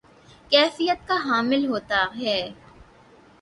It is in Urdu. کیفیت کا حامل ہوتا ہے